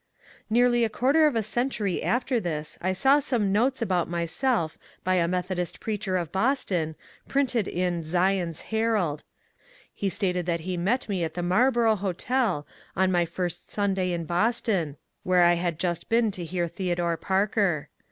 Nearly a quarter of a century after this I saw some notes about myself by a Methodist preacher of Boston, printed in ^' Zion's Herald." He stated that he met me at the Marlboro' Hotel on my first Sunday in Boston, where I had just been to hear Theodore Parker.